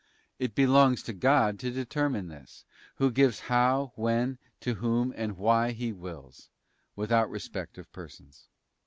It belongs to God alone to determine this, Who gives how, when, to whom, and why He wills, without respect of persons.